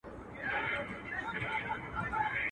مړ مي که، خو پړ مي مه که.